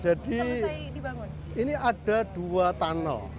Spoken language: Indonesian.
ini ada dua tunnel